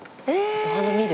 お花見る？